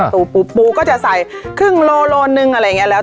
ปูปูก็จะใส่ครึ่งโลโลหนึ่งอะไรอย่างนี้แล้ว